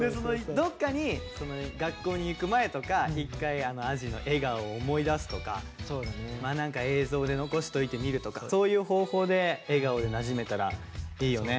どっかに学校に行く前とか１回あじの笑顔を思い出すとか何か映像で残しておいて見るとかそういう方法で笑顔でなじめたらいいよね。